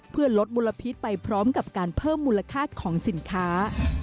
เพื่อลดมลพิษไปพร้อมกับการเพิ่มมูลค่าของสินค้า